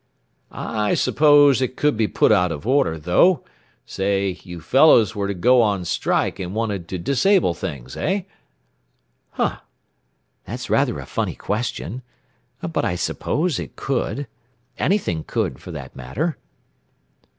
"I suppose it could be put out of order, though say, you fellows were to go on strike, and wanted to disable things? Eh?" "Huh! That's rather a funny question. But I suppose it could. Anything could, for that matter."